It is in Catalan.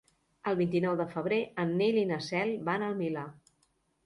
El vint-i-nou de febrer en Nil i na Cel van al Milà.